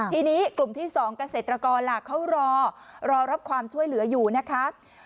ทีนี้กลุ่มที่๒เกษตรกรล่ะเขารอรอรับความช่วยเหลืออยู่นะคะ